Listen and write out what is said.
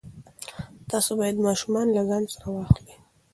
تاسو باید ماشومان له ځان سره واخلئ.